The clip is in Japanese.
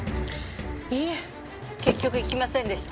いいえ結局行きませんでした。